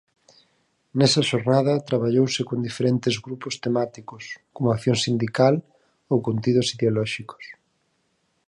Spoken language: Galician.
Nesa xornada traballouse con diferentes grupos temáticos como acción sindical ou contidos ideolóxicos.